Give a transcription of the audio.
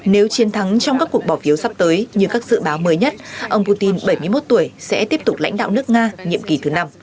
nếu chiến thắng trong các cuộc bỏ phiếu sắp tới như các dự báo mới nhất ông putin bảy mươi một tuổi sẽ tiếp tục lãnh đạo nước nga nhiệm kỳ thứ năm